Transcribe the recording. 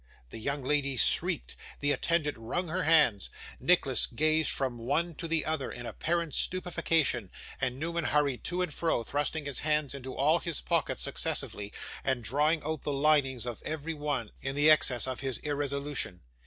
The young lady shrieked, the attendant wrung her hands, Nicholas gazed from one to the other in apparent stupefaction, and Newman hurried to and fro, thrusting his hands into all his pockets successively, and drawing out the linings of every one in the excess of his irresolution.